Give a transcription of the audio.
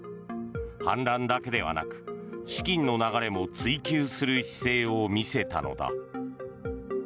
反乱だけではなく資金の流れも追及する姿勢を見せたのだ。